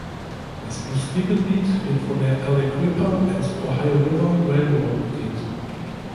Das Industriegebiet wird von der Aliquippa and Ohio River Railroad bedient.